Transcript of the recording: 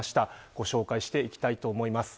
ご紹介していきたいと思います。